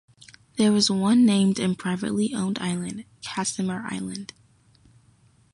There is one named and privately owned island, Casimir Island.